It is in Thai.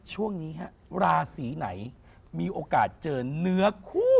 ช่วงนี้ฮะราศีไหนมีโอกาสเจอเนื้อคู่